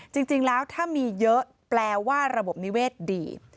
จริงแล้วถ้ามีเยอะแปลว่าระบบนิเวศดี